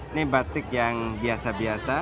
ini batik yang biasa biasa